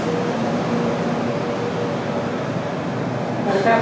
หุ้มว่างแล้ว